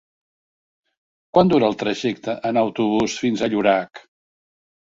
Quant dura el trajecte en autobús fins a Llorac?